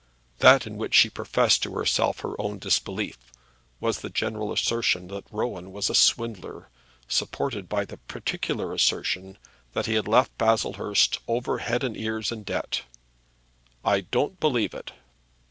That in which she professed to herself her own disbelief was the general assertion that Rowan was a swindler, supported by the particular assertion that he had left Baslehurst over head and ears in debt. "I don't believe it."